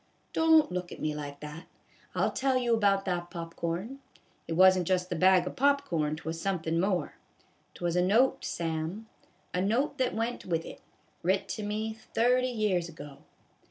Don't look at me like that. I '11 tell you about that pop corn. It wasn't just the bag of pop corn, 'twas somethin' more. 'T was a note, Sam, a note that went with it, writ to me thirty years ago."